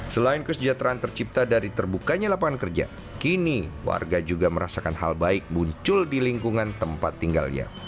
selain kesejahteraan tercipta dari terbukanya lapangan kerja kini warga juga merasakan hal baik muncul di lingkungan tempat tinggalnya